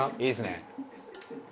いいですね。